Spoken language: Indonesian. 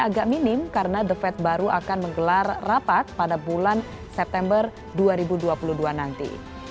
agak minim karena the fed baru akan menggelar rapat pada bulan september dua ribu dua puluh dua nanti